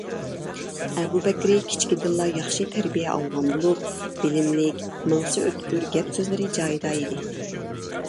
ئەبۇ بەكرى كىچىكىدىنلا ياخشى تەربىيە ئالغان بولۇپ، بىلىملىك، مېڭىسى ئۆتكۈر، گەپ-سۆزلىرى جايىدا ئىدى.